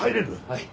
はい。